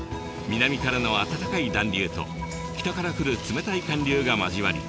南からの暖かい暖流と北から来る冷たい寒流が交わり